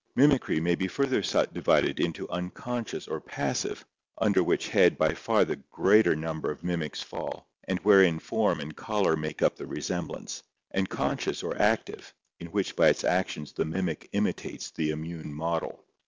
Mimicry may be further divided into unconscious or passive, under which head by far the greater number of mimics fall, and wherein form and color COLORATION AND MIMICRY 241 make up the resemblance; and conscious or active, in which by its actions the mimic imitates the immune model.